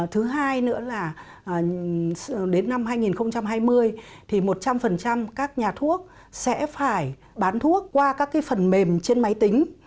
thứ hai nữa là đến năm hai nghìn hai mươi thì một trăm linh các nhà thuốc sẽ phải bán thuốc qua các phần mềm trên máy tính